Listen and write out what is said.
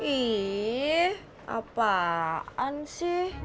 ih apaan sih